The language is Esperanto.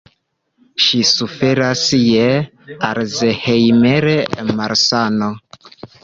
Ŝi suferas je Alzheimer-malsano.